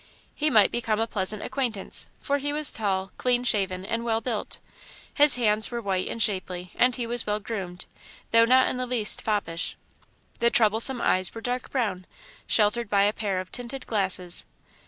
He might become a pleasant acquaintance, for he was tall, clean shaven, and well built. His hands were white and shapely and he was well groomed, though not in the least foppish. The troublesome eyes were dark brown, sheltered by a pair of tinted glasses.